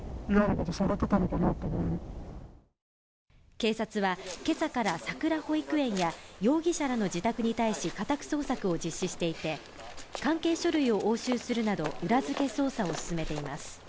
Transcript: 警察は今朝からさくら保育園や容疑者らの自宅に対し家宅捜索を実施していて関係書類を押収するなど裏づけ捜査を進めています。